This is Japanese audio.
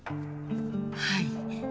はい。